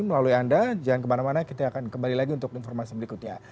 melalui anda jangan kemana mana kita akan kembali lagi untuk informasi berikutnya